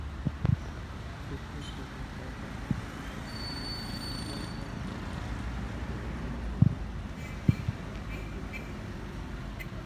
Estas substanciales fortificaciones muestran una considerable organización social en las sociedades prehistóricas.